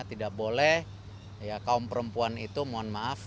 tidak boleh kaum perempuan itu mohon maaf